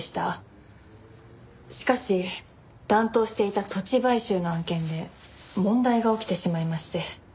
しかし担当していた土地買収の案件で問題が起きてしまいまして。